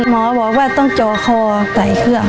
หมอบอกว่าต้องเจาะคอใส่เครื่อง